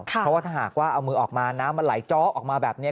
เพราะว่าถ้าหากว่าเอามือออกมาน้ำมันไหลเจาะออกมาแบบนี้